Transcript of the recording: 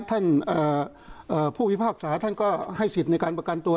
ท่านผู้พิพากษาท่านก็ให้สิทธิ์ในการประกันตัว